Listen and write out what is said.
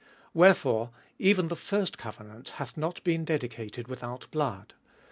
Wherefore even the first covenant hath not been dedicated with out blood. 19.